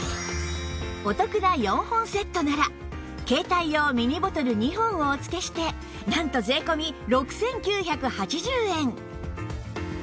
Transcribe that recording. お得な４本セットなら携帯用ミニボトル２本をお付けしてなんと税込６９８０円